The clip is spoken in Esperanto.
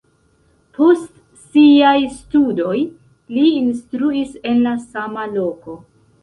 Post siaj studoj li instruis en la sama loko.